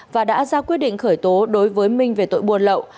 và đã ra quyết định khởi tố đối với minh về tội buôn lậu